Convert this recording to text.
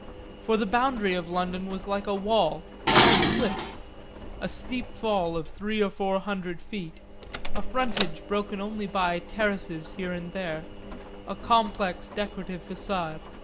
For the boundary of London was like a wall, like a cliff, a steep fall of three or four hundred feet, a frontage broken only by terraces here and there, a complex decorative façade.